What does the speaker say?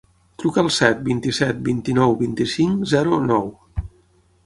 Truca al set, vint-i-set, vint-i-nou, vint-i-cinc, zero, nou.